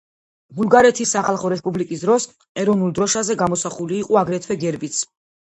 ბულგარეთის სახალხო რესპუბლიკის დროს ეროვნულ დროშაზე გამოსახული იყო აგრეთვე გერბიც.